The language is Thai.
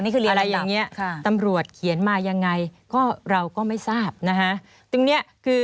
อะไรอย่างนี้ตำรวจเขียนมายังไงเราก็ไม่ทราบนะฮะ